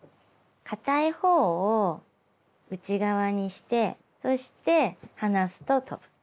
かたい方を内側にしてそして離すと飛ぶ。